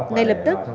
ngay lập tức